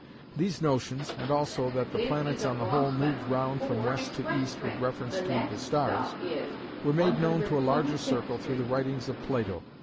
These notions, and also that the planets on the whole move round from west to east with reference to the stars, were made known to a larger circle through the writings of Plato.